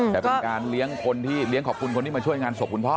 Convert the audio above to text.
แต่เป็นการเลี้ยงขอบคุณคนที่มาช่วยงานศพคุณพ่อ